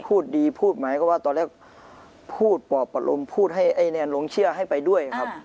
พูดดีพูดหมายความว่าตอนแรกพูดปอบอารมณ์พูดให้ไอ้แนนหลงเชื่อให้ไปด้วยครับ